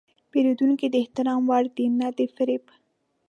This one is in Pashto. پیرودونکی د احترام وړ دی، نه د فریب.